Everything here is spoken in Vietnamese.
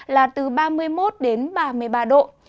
là từ ba mươi một ba mươi ba độ